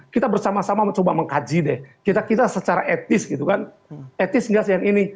kita bersama sama mencoba mengkaji deh kita kita secara etis gitu kan etis nggak sih yang ini